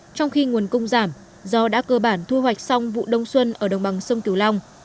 trong khi nguồn cung giảm do đã cơ bản thu hoạch xong vụ đông xuân ở đồng bằng sông kiều long